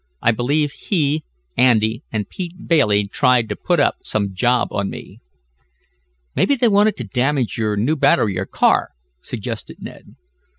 I believe he, Andy and Pete Bailey tried to put up some job on me." "Maybe they wanted to damage your new battery or car," suggested Ned.